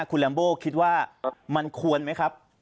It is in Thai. คุณลัมโบคิดว่ามันควรไหมครับ